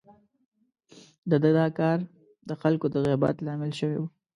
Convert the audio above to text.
د ده دا کار د خلکو د غيبت لامل شوی و.